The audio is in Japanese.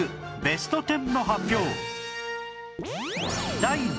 ベスト１０の発表